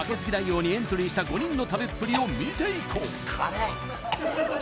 王にエントリーした５人の食べっぷりを見ていこう辛え！